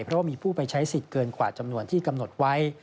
เพราะว่ามีผู้ไปใช้สิทธิ์เกินกว่าจำนวนที่กำหนดไว้